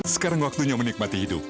sekarang waktunya menikmati hidup